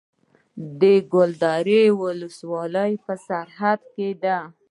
د کلدار ولسوالۍ په سرحد کې ده